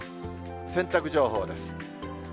洗濯情報です。